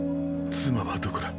妻はどこだ。